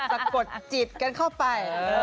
สะกดจิตกันเข้าไป